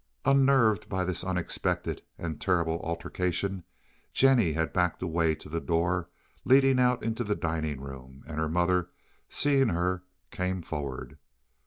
Unnerved by this unexpected and terrible altercation, Jennie had backed away to the door leading out into the dining room, and her mother, seeing her, came forward.